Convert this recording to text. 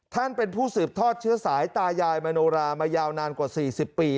ท่านเป็นผู้สืบทอดเชื้อสายตายายมโนรามายาวนานกว่า๔๐ปี